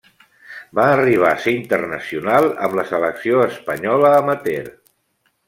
Va arribar a ser internacional amb la selecció espanyola amateur.